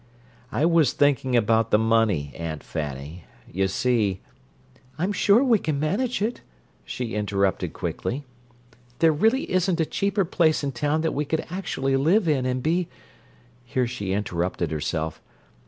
"I was thinking about the money, Aunt Fanny. You see—" "I'm sure we can manage it," she interrupted quickly. "There really isn't a cheaper place in town that we could actually live in and be—" Here she interrupted herself.